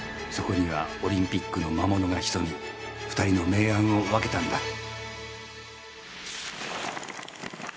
そこにはオリンピックの魔物が潜み２人の明暗を分けたんだ。